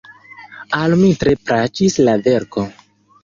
Al mi tre plaĉis la verko.